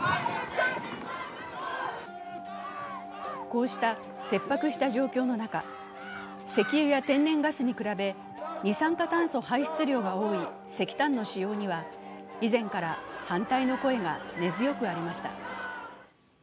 こうした切迫した状況の中、石油や天然ガスに比べ、二酸化炭素排出量が多い石炭の使用には以前から反対の声が根強くありました。